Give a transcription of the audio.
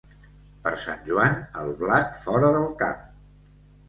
Per Sant Joan, el blat fora del camp.